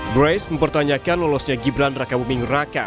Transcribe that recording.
grace mempertanyakan lolosnya gibran raka buming raka